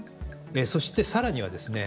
そしてさらにはですね